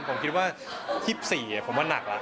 ผมคิดว่า๒๔ผมว่านักแล้ว